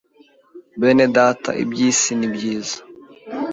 Bene data iby’isi ni byiza